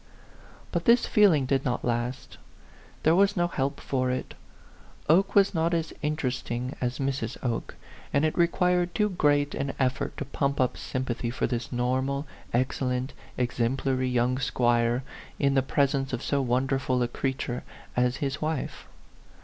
But this feeling did not last. There was no help for it ; Oke was not as interesting as Mrs. Oke; and it required too great an ef fort to pump up sympathy for this normal, excellent, exemplary young squire, in the presence of so wonderful a creature as his wife.